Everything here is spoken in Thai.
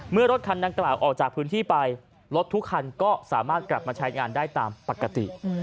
รถคันดังกล่าวออกจากพื้นที่ไปรถทุกคันก็สามารถกลับมาใช้งานได้ตามปกติ